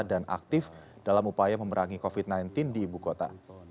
dan aktif dalam upaya memerangi covid sembilan belas di ibu kota